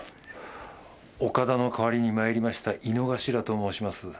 岡田のかわりにまいりました井之頭と申します。